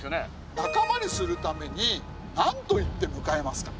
仲間にするためになんと言って迎えますか？